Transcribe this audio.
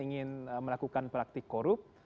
ingin melakukan praktik korup